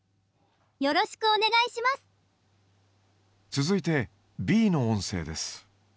続いてＢの音声です。